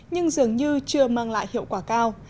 nhưng dường như chưa mang lại hiệu quả cao